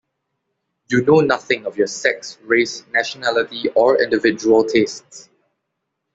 You know nothing of your sex, race, nationality, or individual tastes.